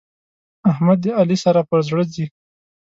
احمد د علي سره پر زړه ځي.